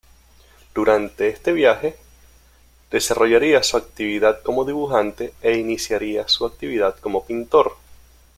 Durante este viaje desarrollaría su actividad como dibujante e iniciaría su actividad como pintor.